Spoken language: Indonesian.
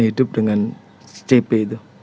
hidup dengan cp itu